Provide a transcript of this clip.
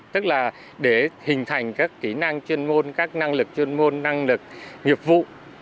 tức là để hình thành các kỹ năng chuyên môn các năng lực chuyên môn năng lực nghiệp vụ